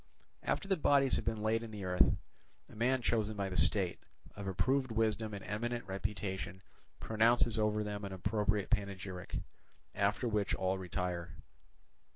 After the bodies have been laid in the earth, a man chosen by the state, of approved wisdom and eminent reputation, pronounces over them an appropriate panegyric; after which all retire.